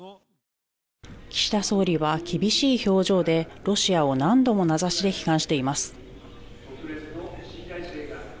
岸田総理は厳しい表情でロシアを何度も名指しで批判しています。